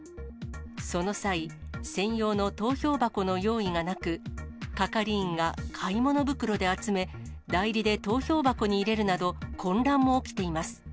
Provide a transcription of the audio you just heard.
その際、専用の投票箱の用意がなく、係員が買い物袋で集め、代理で投票箱に入れるなど、混乱も起きています。